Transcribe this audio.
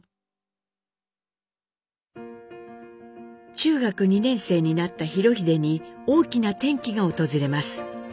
中学２年生になった裕英に大きな転機が訪れます。